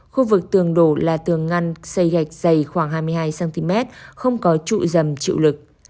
khu vực tường đổ là tường ngăn xây gạch dày khoảng hai mươi hai cm không có trụi dầm chịu lực